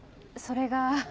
それが。